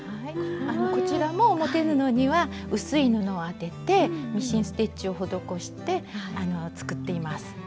こちらも表布には薄い布を当ててミシンステッチを施して作っています。